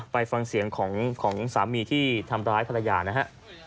ไปฟังเสียงของสามีที่ทำร้ายภรรยานะฮะ